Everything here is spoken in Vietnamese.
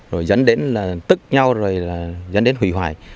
rồi dẫn đến là tức nhau rồi là dẫn đến hủy hoại